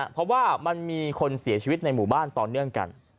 เพราะว่ามันมีคนเสียชีวิตในหมู่บ้านต่อเนื่องกัน